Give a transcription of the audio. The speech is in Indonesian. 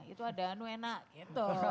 itu ada nuena gitu